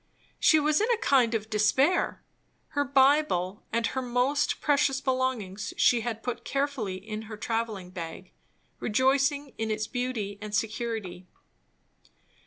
She was in a kind of despair. Her Bible and most precious belongings she had put carefully in her travelling bag, rejoicing in its beauty and security.